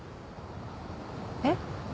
えっ？